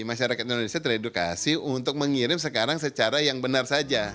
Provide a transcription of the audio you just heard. masyarakat indonesia teredukasi untuk mengirim sekarang secara yang benar saja